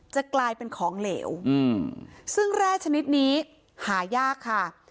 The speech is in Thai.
จะกลายเป็นของเหลวซึ่งแร่ชนิดนี้หายากค่ะ